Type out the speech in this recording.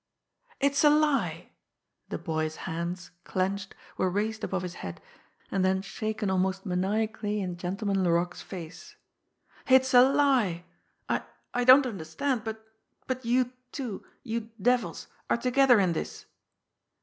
"It's a lie!" The boy's hands, clenched, were raised above his head, and then shaken almost maniacally in Gentleman Laroque's face. "It's a lie! I I don't understand, but but you two, you devils, are together in this!"